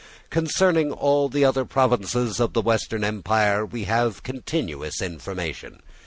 Concerning all the other provinces of the Western Empire we have continuous information.